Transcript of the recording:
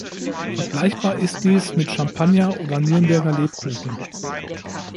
Vergleichbar ist dies mit Champagner oder Nürnberger Lebkuchen.